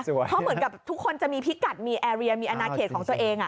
เพราะเหมือนกับทุกคนจะมีพิกัดมีแอร์เรียมีอนาเขตของตัวเอง